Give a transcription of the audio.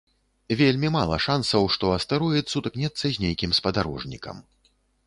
Вельмі мала шансаў, што астэроід сутыкнецца з нейкім спадарожнікам.